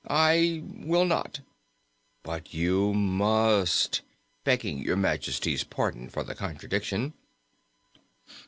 "I will not." "But you must begging Your Majesty's pardon for the contradiction."